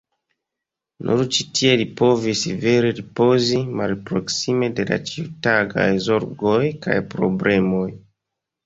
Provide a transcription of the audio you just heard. Nur ĉi tie li povis vere ripozi, malproksime de la ĉiutagaj zorgoj kaj problemoj.